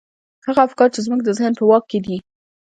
هغه افکار چې زموږ د ذهن په واک کې دي.